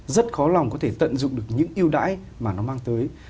rất khó lòng có thể tận dụng được những yêu đãi mà nó mang tới